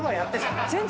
全然。